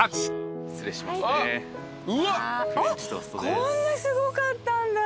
こんなすごかったんだ。